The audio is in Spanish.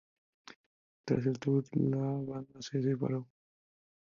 Tras el tour la banda se separó.